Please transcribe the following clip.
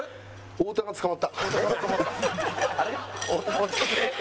太田さん捕まった。